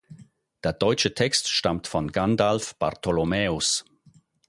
Der deutsche Text stammt von Gandalf Bartholomäus.